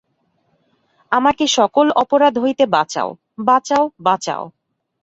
আমাকে সকল অপরাধ হইতে বাঁচাও, বাঁচাও, বাঁচাও।